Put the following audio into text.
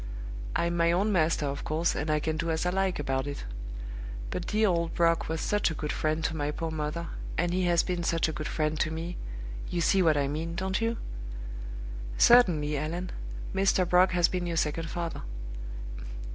I'm my own master, of course, and I can do as I like about it. But dear old Brock was such a good friend to my poor mother, and he has been such a good friend to me you see what I mean, don't you?" "Certainly, Allan; Mr. Brock has been your second father.